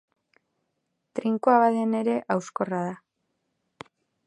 Trinkoa baden ere, hauskorra da.